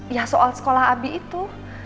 ya soal sekolah abi itu